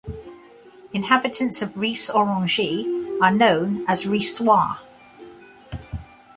Inhabitants of Ris-Orangis are known as "Rissois".